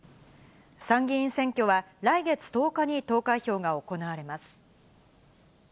参議院選挙は来月１０日に投開票が行われます。